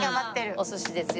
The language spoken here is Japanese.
お寿司ですよ。